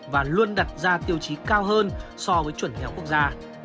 và luôn đặt ra tiêu chí cao hơn so với chuẩn nghèo quốc gia